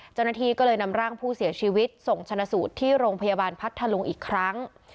เจ้าหน้าที่ก็เลยนำร่างผู้เสียชีวิตส่งชนะสูตรที่โรงพยาบาลพัทธลุงอีกครั้ง